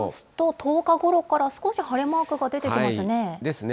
１０日ごろから、少し晴れマークが出てきますね。ですね。